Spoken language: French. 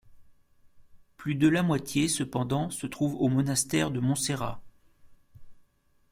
Plus de la moitié, cependant, se trouve au monastère de Montserrat.